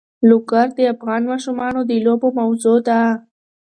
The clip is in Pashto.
لوگر د افغان ماشومانو د لوبو موضوع ده.